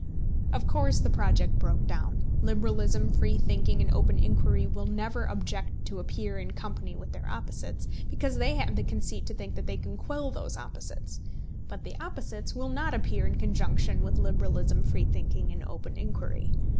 Of course the project broke down. Liberalism, free thinking, and open inquiry will never object to appear in company with their opposites, because they have the conceit to think that they can quell those opposites; but the opposites will not appear in conjunction with liberalism, free thinking, and open inquiry.